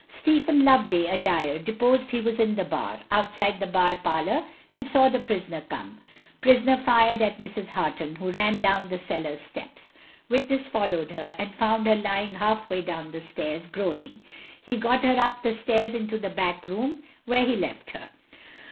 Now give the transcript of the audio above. Stephen Loveday, a dyer, deposed he was in the bar, outside the bar parlour, and saw the prisoner come. Prisoner fired at Mrs. Harton, who ran down the cellar steps. Witness followed her, and found her lying half way down the stairs, groaning. He got her up stairs into the back room, where he left her.